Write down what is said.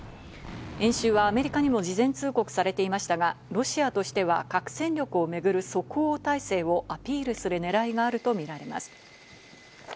演習はアメリカにも事前通告されていましたが、ロシアとしては核戦力をめぐる即応態勢をアピールする狙いがあるとみられます。